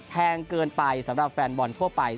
แพงเกินไปสำหรับแฟนบอลทั่วไป